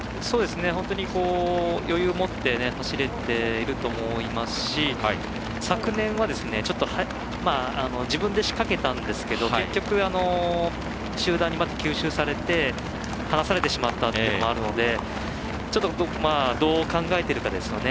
本当に余裕を持って走れていると思いますし昨年は自分で仕掛けたんですけど結局、集団にまた吸収されて離されてしまったというのもあるのでちょっとどう考えているかですね。